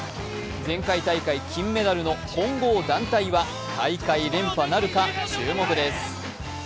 前回大会金メダルの混合団体は大会連覇なるか、注目です。